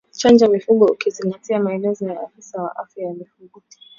Chanja mifugo ukizingatia maelezo ya afisa wa afya ya mifugo